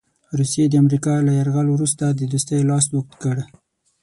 روسیې د امریکا له یرغل وروسته د دوستۍ لاس اوږد کړ.